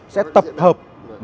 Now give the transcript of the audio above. sẽ tập hợp